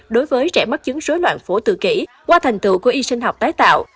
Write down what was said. đối với trẻ mắc chứng dối loạn phổ tự kỷ qua thành tựu của y sinh học tái tạo